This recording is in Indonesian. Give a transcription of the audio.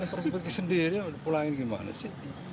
pergi pergi sendiri pulangin gimana sih